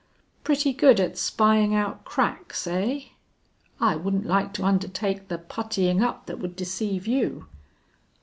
"Pretty good at spying out cracks, eh?" "I wouldn't like to undertake the puttying up that would deceive you."